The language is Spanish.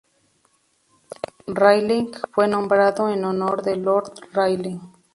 Rayleigh fue nombrado en honor de Lord Rayleigh.